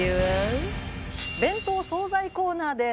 弁当惣菜コーナーです。